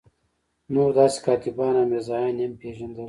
نور داسې کاتبان او میرزایان یې هم پېژندل.